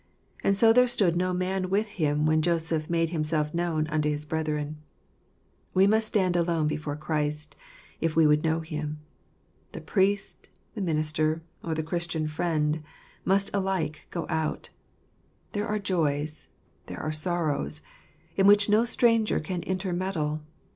And so there stood no man with him, while Joseph made himself known unto his brethren." We must stand alone before Christ, if we would know Him. The priest, the minister, or the Christian friend, must alike go out. There are joys, as there are sorrows, in which no stranger can intermeddle.